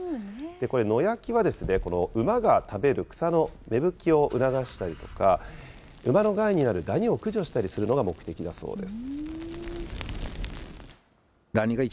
これ、野焼きは馬が食べる草の芽吹きを促したりとか、馬の害になるダニを駆除したりするのが目的だそうです。